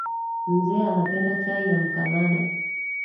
Mzee anapenda chai ya mkanada